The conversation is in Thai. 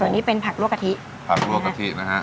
ส่วนนี้เป็นผักรั่วกะทิผักรั่วกะทินะฮะ